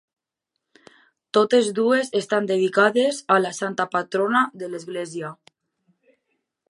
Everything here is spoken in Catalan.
Totes dues estan dedicades a la santa patrona de l'església.